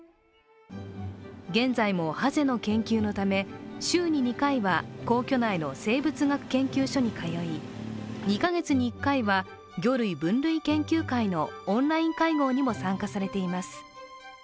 現在もハゼの研究のため週に２回は皇居内の生物学研究所に通い２か月に１回は魚類分類研究会のオンライン会合にも参加されています。